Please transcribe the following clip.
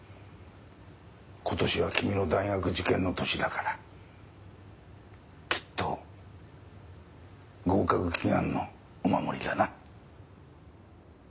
今年は君の大学受験の年だからきっと合格祈願のお守りだな。